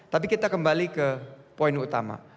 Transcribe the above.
tapi kita kembali ke poin utama